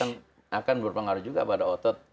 yang akan berpengaruh juga pada otot